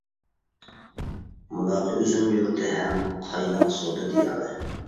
مۇناقى ئۈزۈم يۇرتى ھەم، قايناق سودا دىيارى.